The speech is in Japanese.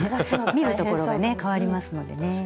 見るところがねかわりますのでね。